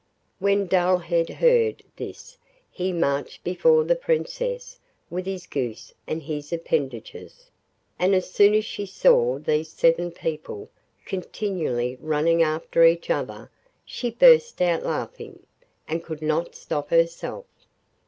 When Dullhead heard this he marched before the Princess with his goose and its appendages, and as soon as she saw these seven people continually running after each other she burst out laughing, and could not stop herself.